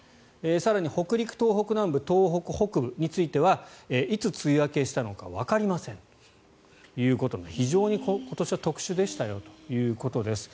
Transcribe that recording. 更に北陸、東北南部東北北部についてはいつ梅雨明けしたのかわかりませんということで非常に今年は特殊でしたよということです。